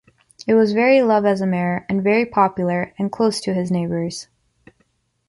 It was very love as a mayor and very popular and close to his neighbors.